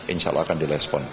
insya allah akan direspon